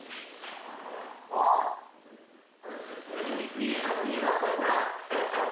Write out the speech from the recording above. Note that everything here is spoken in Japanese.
見てください見てくださいほら。